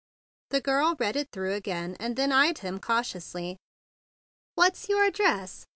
The girl read it through again, and then eyed him cautiously. "What's your address?"